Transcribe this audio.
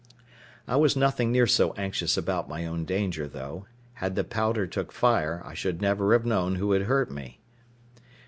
I was nothing near so anxious about my own danger, though, had the powder took fire, I should never have known who had hurt me.